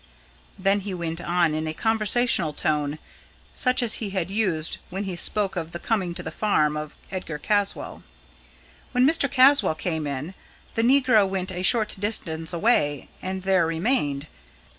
Then he went on in a conversational tone, such as he had used when he spoke of the coming to the farm of Edgar Caswall: "When Mr. Caswall came in, the negro went a short distance away and there remained.